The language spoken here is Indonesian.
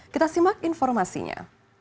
kita simak informasinya